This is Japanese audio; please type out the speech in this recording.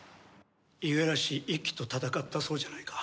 五十嵐一輝と戦ったそうじゃないか。